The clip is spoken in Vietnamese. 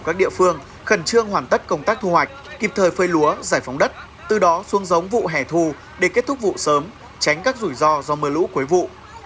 các địa phương khẩn trương hoàn tất công tác thu hoạch kịp thời phơi lúa giải phóng đất từ đó xuân giống vụ hẻ thu để kết thúc vụ sớm tránh các rủi ro do mưa lũ cuối vụ